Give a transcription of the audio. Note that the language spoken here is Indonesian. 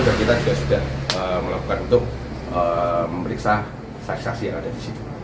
dan kita juga sudah melakukan untuk memeriksa saksisasi yang ada disitu